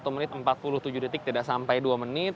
satu menit empat puluh tujuh detik tidak sampai dua menit